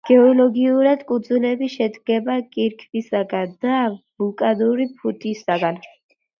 გეოლოგიურად კუნძულები შედგება კირქვისაგან და ვულკანური ტუფისაგან.